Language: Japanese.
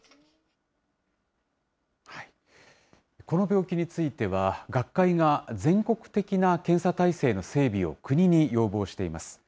この病気については、学会が全国的な検査体制の整備を国に要望しています。